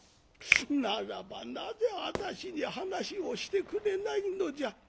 ならばなぜ私に話をしてくれないのじゃ。